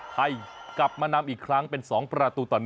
ไทยกลับมานำอีกครั้งเป็น๒ประตูต่อ๑